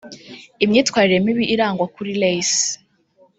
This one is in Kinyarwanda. Imyitwarire mibi irangwa kuri Ray C